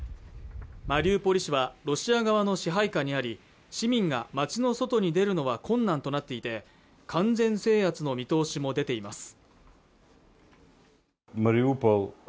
マリウポリ市はロシア側の支配下にあり市民が町の外に出るのは困難となっていて完全制圧の見通しも出ています